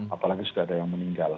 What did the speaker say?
apalagi sudah ada yang meninggal